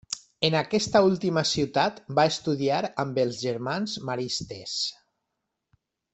En aquesta última ciutat va estudiar amb els Germans Maristes.